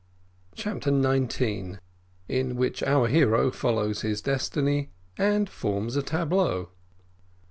CHAPTER NINETEEN. IN WHICH OUR HERO FOLLOWS HIS DESTINY AND FORMS A TABLEAU.